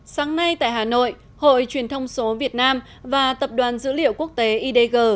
sáng nay tại hà nội hội truyền thông số việt nam và tập đoàn dữ liệu quốc tế idg